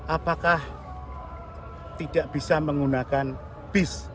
apakah tidak bisa menggunakan bis